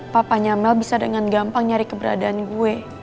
papanya mel bisa dengan gampang nyari keberadaan gue